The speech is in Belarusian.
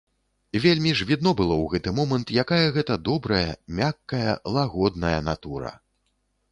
Вельмі ж відно было ў гэты момант, якая гэта добрая, мяккая, лагодная натура.